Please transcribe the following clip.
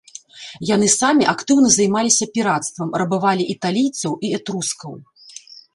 Яны самі актыўна займаліся пірацтвам, рабавалі італійцаў і этрускаў.